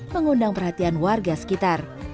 mengundang perhatian warga sekitar